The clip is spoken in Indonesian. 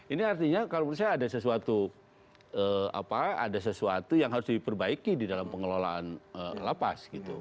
ini artinya kalau menurut saya ada sesuatu ada sesuatu yang harus diperbaiki di dalam pengelolaan lapas